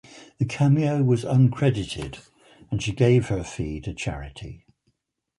The cameo was uncredited and she gave her fee to charity.